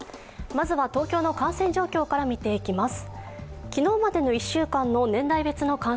まずは東京の感染状況から見ていきます。